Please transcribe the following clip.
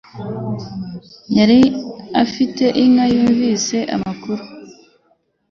Yari afite inka yumvise amakuru.